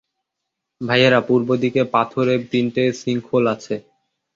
ভাইয়েরা, পূর্ব দিকের পাথরে তিনটে সিঙ্কহোল আছে।